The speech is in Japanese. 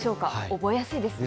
覚えやすいですね。